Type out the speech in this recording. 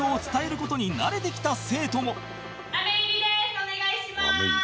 お願いします！